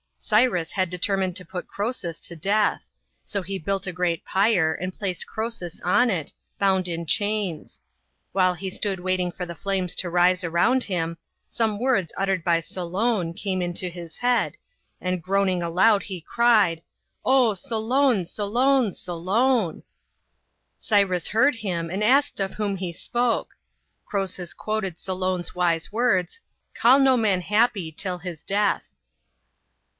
Cyrus had determined to put Croesus to death ; so he built a great pyre, and placed Croesus on it, bound in chains. While he stood waiting for the flames to rise around him, some words uttered by Solon, came into his head, and groaning aloud he cried, " Oh, Solon, Solon, Solon !" Cyrus heard him, and asked of whom he spoke. Croesus quoted Solon's wise words, " Call no man happy, till his death."